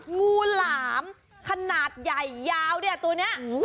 งูหลามขนาดใหญ่ยาวเนี่ยตัวนี้